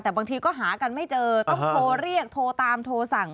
แต่บางทีก็หากันไม่เจอต้องโทรเรียกโทรตามโทรสั่ง